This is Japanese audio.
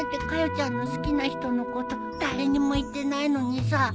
ちゃんの好きな人のこと誰にも言ってないのにさ。